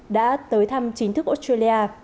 đã tới thăm chính thức australia